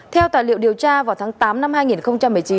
theo tài liệu điều tra vào tháng tám năm hai nghìn một mươi chín